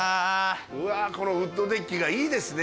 うわこのウッドデッキがいいですね。